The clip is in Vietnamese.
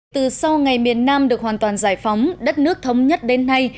từ sau ngày miền nam được hoàn toàn giải phóng đất nước thống nhất đến nay